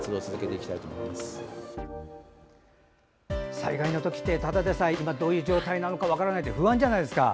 災害の時ってただでさえ、今どういう状況が分からないって不安じゃないですか。